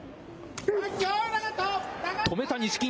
止めた、錦木。